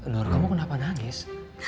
nur kamu kenapa nangis